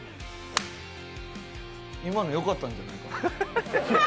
今の、よかったんじゃないかな。